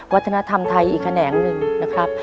วัฒนธรรมไทยอีกแขนงหนึ่งนะครับ